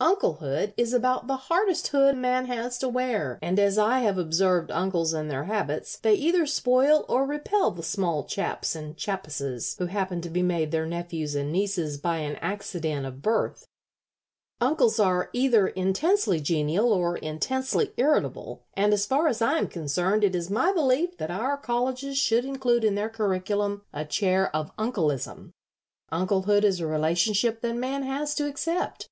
Unclehood is about the hardest hood man has to wear, and as I have observed uncles and their habits, they either spoil or repel the small chaps and chappesses who happen to be made their nephews and nieces by an accident of birth. Uncles are either intensely genial or intensely irritable, and as far as I am concerned it is my belief that our colleges should include in their curriculum a chair of 'Uncleism.' Unclehood is a relationship that man has to accept.